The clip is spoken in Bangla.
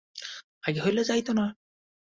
আগে হইলে যাইত না।